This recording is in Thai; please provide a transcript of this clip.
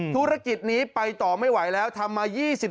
ธุรกิจนี้ไปต่อไม่ไหวแล้วทำมา